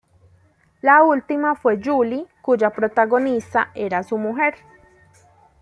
La última fue Julie cuya protagonista era su mujer.